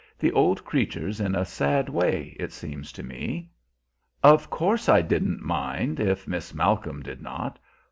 The old creature's in a sad way, it seems to me." Of course I didn't mind, if Miss Malcolm did not.